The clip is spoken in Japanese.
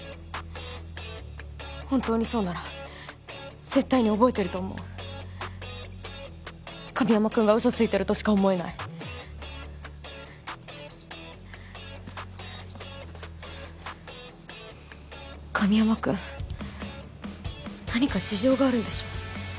本当にそうなら絶対に覚えてると思う神山くんがウソついてるとしか思えない神山くん何か事情があるんでしょ？